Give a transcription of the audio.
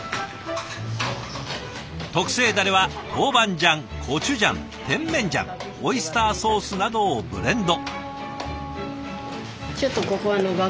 特製だれはトウバンジャンコチュジャンテンメンジャンオイスターソースなどをブレンド。